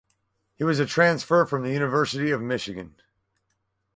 He was a transfer from the University of Michigan.